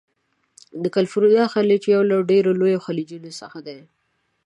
د کلفورنیا خلیج یو له ډیرو لویو خلیجونو څخه دی.